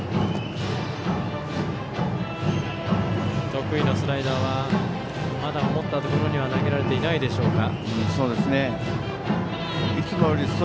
得意のスライダーはまだ思ったところには投げられていないでしょうか。